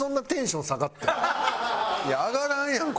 いや上がらんやん